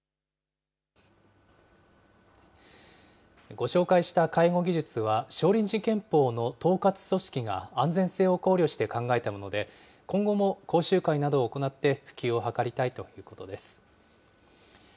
ご紹介した介護技術は、少林寺拳法の統括組織が安全性を考慮して考えたもので、今後も講習会などを行って、普及を図りたいということです。